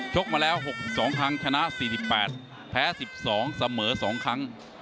ชกมาแล้วหกสองครั้งถนะสิบแปดแพ้สิบสองเสมอสองครั้ง